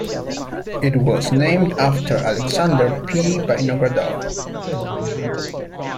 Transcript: It was named after Aleksandr P. Vinogradov.